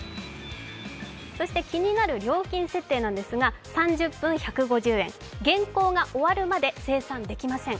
そして気になる料金設定なんですが、３０分１５０円、原稿が終わるまで精算できません。